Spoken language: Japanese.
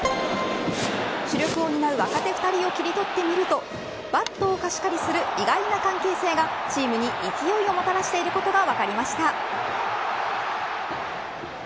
主力を担う若手２人をキリトってみるとバットを貸し借りする意外な関係性がチームに勢いをもたらしていることが分かりました。